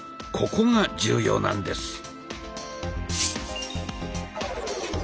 ここが重要なんです。